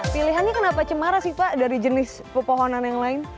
pilihannya kenapa cemara sih pak dari jenis pepohonan yang lain